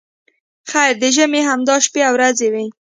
خیر د ژمي همدا شپې او ورځې وې.